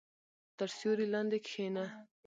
• تر سیوري لاندې کښېنه.